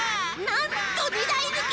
なんと２だいぬき！